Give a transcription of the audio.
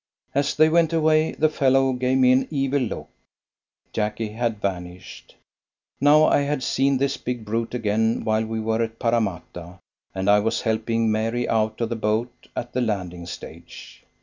As they went away, the fellow gave me an evil look. Jacky had vanished. Now, I had seen this big brute again while we were at Parramatta, and I was helping Mary out of the boat at the landing stage.